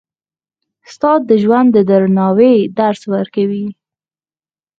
استاد د ژوند د درناوي درس ورکوي.